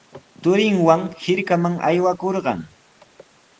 Turinwan hirkaman aywakurqan.